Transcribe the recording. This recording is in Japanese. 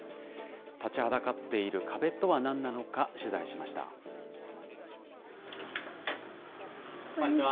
立ちはだかっている壁とはなんなこんにちは。